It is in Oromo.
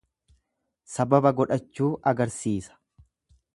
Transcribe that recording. Sababa godhachuu agarsiisa.